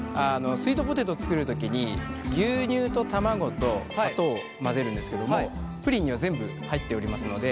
スイートポテト作る時に牛乳と卵と砂糖を混ぜるんですけどもプリンには全部入っておりますので。